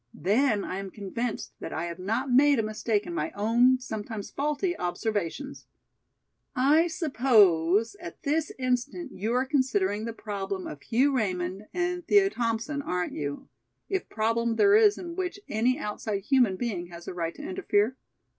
Then I am convinced that I have not made a mistake in my own sometimes faulty observations." "I suppose at this instant you are considering the problem of Hugh Raymond and Thea Thompson, aren't you, if problem there is in which any outside human being has a right to interfere?